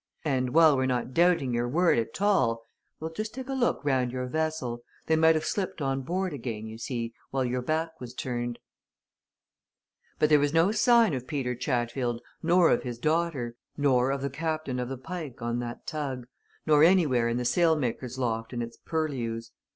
"And while we're not doubting your word at all, we'll just take a look round your vessel they might have slipped on board again, you see, while your back was turned." But there was no sign of Peter Chatfield, nor of his daughter, nor of the captain of the Pike on that tug, nor anywhere in the sailmaker's loft and its purlieus.